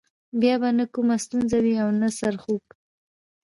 بیا به نه کومه ستونزه وي او نه سر خوږی.